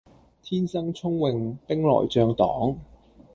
天生聰穎兵來將擋